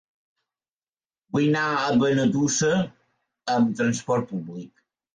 Vull anar a Benetússer amb transport públic.